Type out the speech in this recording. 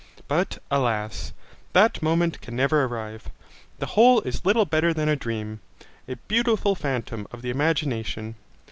But, alas! that moment can never arrive. The whole is little better than a dream, a beautiful phantom of the imagination.